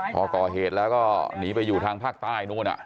พอก่อเหตุแล้วก็หนีไปอยู่ทางภาคใต้นู้น